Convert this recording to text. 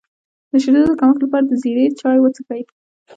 د شیدو د کمښت لپاره د زیرې چای وڅښئ